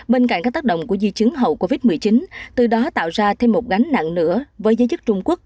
bên cạnh các tác động của di chứng hậu covid một mươi chín từ đó tạo ra thêm một gánh nặng nữa với giới chức trung quốc